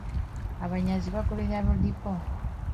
Abanyazi baagoberera Lodipo.